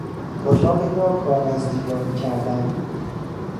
اتاقی را کاغذ دیواری کردن